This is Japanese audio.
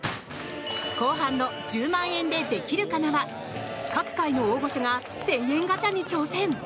後半の「１０万円でできるかな」は各界の大御所が１０００円ガチャに挑戦。